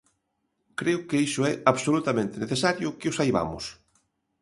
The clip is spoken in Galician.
Creo que iso é absolutamente necesario que o saibamos.